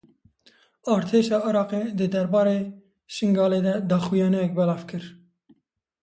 Artêşa Iraqê di derbarê Şingalê de daxuyaniyek belav kir.